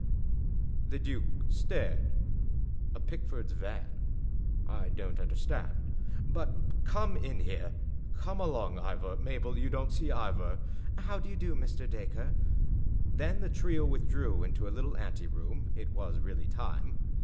" The duke stared. " A Pickford's van? I don't understand. But come in here. Come along, Ivor. Mabel, you don't see Ivor." "How do you do, Mr. Dacre?" Then the trio withdrew into a little anteroom; it was really time.